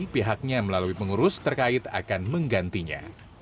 pihaknya melalui pengurus terkait akan menggantinya